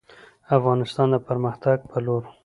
افغانستان د پرمختګ په لور